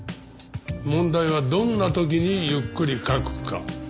問題はどんな時にゆっくり書くか。